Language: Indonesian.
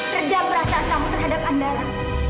terdampar asa kamu terhadap andara